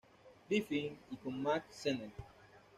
Griffith y con Mack Sennett.